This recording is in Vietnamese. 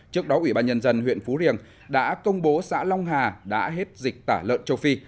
trước đó ủy ban nhân dân huyện phú riềng đã công bố xã long hà đã hết dịch tả lợn châu phi